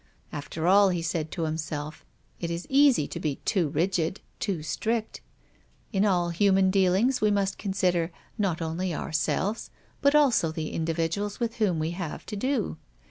After all, he said to him self, it is easy to be too rigid, too strict. In all human dealings we must consider not only our selves, but also the individuals with whom we have to do.